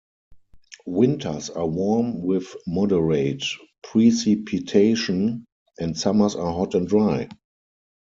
Winters are warm with moderate precipitation, and summers are hot and dry.